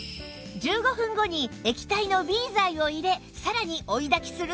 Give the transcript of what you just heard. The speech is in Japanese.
１５分後に液体の Ｂ 剤を入れさらに追いだきすると